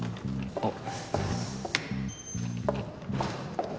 あっ。